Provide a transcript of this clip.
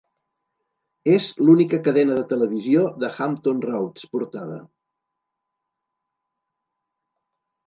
És l'única cadena de televisió de Hampton Roads portada.